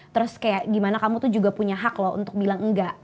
terus kayak gimana kamu tuh juga punya hak loh untuk bilang enggak